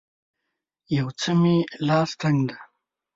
یو څه مې لاس تنګ دی